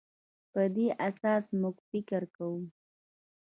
په دې اساس موږ فکر کوو.